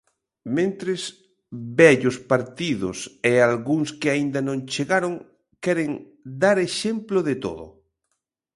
Mentres, "vellos partidos" e "algúns que aínda non chegaron" queren "dar exemplo de todo".